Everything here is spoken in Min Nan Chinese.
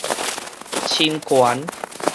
侵權